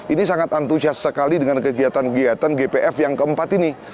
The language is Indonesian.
ini sangat antusias sekali dengan kegiatan kegiatan gpf yang keempat ini